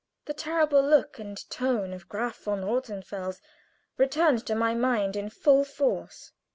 The terrible look and tone of Graf von Rothenfels returned to my mind in full force.